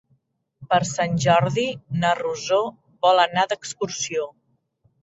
Per Sant Jordi na Rosó vol anar d'excursió.